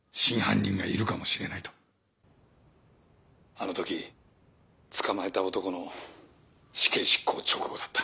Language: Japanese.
あの時捕まえた男の死刑執行直後だった。